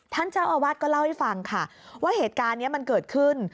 ท่านเจ้าอาวาสก็เล่าให้ฟังค่ะว่าเหตุการณ์นี้มันเกิดขึ้น